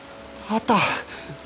あった！